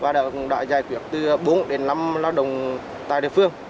và cũng đã giải quyết từ bốn đến năm lao động tại địa phương